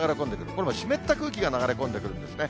これ、湿った空気が流れ込んでくるんですね。